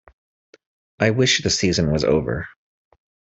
I wish the season was over.